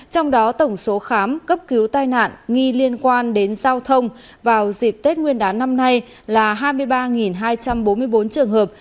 trong đó tổng số khám cấp cứu tai nạn nghi liên quan đến giao thông vào dịp tết nguyên đán năm nay là hai mươi ba hai trăm bốn mươi bốn trường hợp